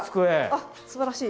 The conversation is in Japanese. あっすばらしい。